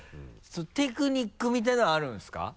テクニックみたいなのはあるんですか？